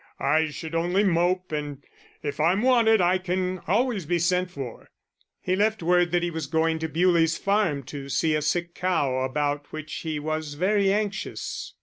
"I should only mope, and if I'm wanted I can always be sent for." He left word that he was going to Bewlie's Farm to see a sick cow, about which he was very anxious.